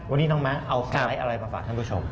วันนี้น้องม้าเอาสไลด์อะไรมาฝากท่านผู้ชม